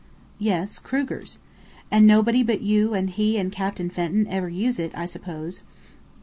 "Yes, Kruger's." "And nobody but you and he and Captain Fenton ever use it, I suppose?"